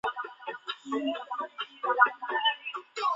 富查伊拉酋长国酋长